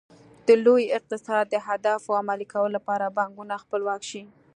د لوی اقتصاد د اهدافو عملي کولو لپاره بانکونه خپلواک شي.